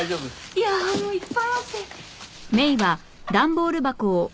いやもういっぱいあって。